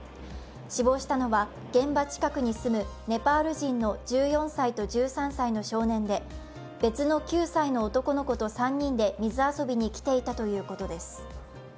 死亡したのは現場近くに住むネパール人の１４歳と１３歳の少年で別の９歳の男の子と３人で水遊びにきていたということです。